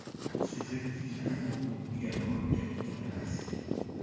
Ces activités regroupent également le capital-risque.